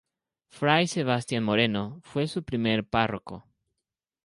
Fray Sebastián Moreno, fue su primer párroco.